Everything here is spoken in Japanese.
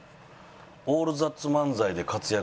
「『オールザッツ漫才』で活躍。